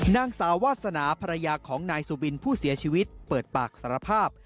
นางสาววาสนาภรรยาของนายสุบินผู้เสียชีวิตเปิดปากสารภาพ